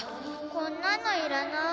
こんなのいらない。